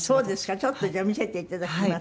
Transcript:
ちょっとじゃあ見せていただきます。